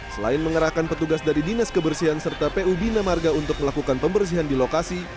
selain mengerahkan petugas dari dinas kebersihan serta pu bina marga untuk melakukan pembersihan di lokasi